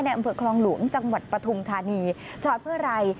อำเภอคลองหลวงจังหวัดปฐุมธานีจอดเพื่ออะไร